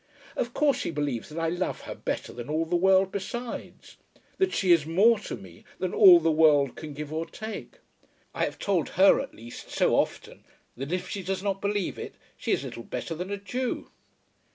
"Of course she believes that I love her better than all the world besides, that she is more to me than all the world can give or take. I have told her at least, so often, that if she does not believe it she is little better than a Jew."